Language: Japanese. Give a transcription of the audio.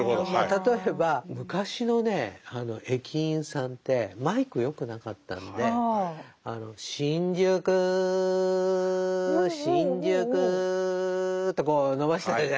例えば昔のね駅員さんってマイクよくなかったんで「新宿新宿」ってこう伸ばしてたじゃないですか。